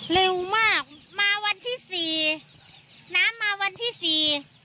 เร็วมากมาวันที่๔น้ำมาวันที่๔